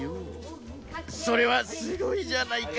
それはすごいじゃないか。